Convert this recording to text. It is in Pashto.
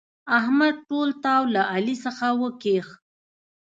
احمد ټول تاو له علي څخه وکيښ.